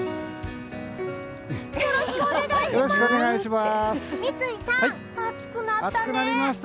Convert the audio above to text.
よろしくお願いします！